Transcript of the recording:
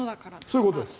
そういうことです。